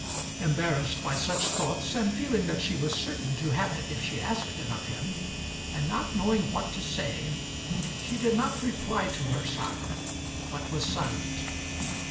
Embarrassed by such thoughts, and feeling that she was certain to have it if she asked it of him, and not knowing what to say, she did not reply to her son, but was silent.